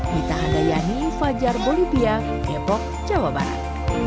minta hadiahnya invajar bolivia epoch jawa barat